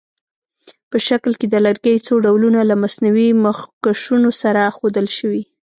په شکل کې د لرګیو څو ډولونه له مصنوعي مخکشونو سره ښودل شوي.